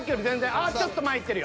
ああっちょっと前いってるよ。